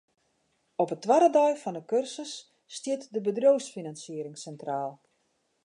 Op 'e twadde dei fan 'e kursus stiet de bedriuwsfinansiering sintraal.